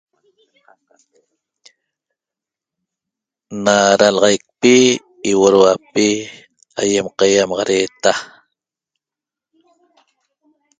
Na dalaxaicpi ýiuodhuapi aýem qaiaiamaxadeeta